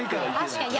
確かに。